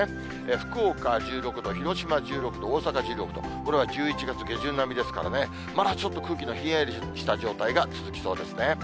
福岡１６度、広島１６度、大阪１６度、これは１１月下旬並みですからね、まだちょっと空気のひんやりした状態が続きそうですね。